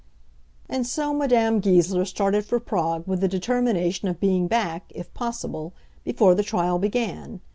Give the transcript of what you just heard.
And so Madame Goesler started for Prague with the determination of being back, if possible, before the trial began.